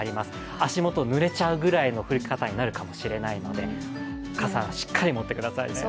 足元、ぬれちゃうぐらいの降り方になるかもしれないので傘はしっかりと持ってくださいね。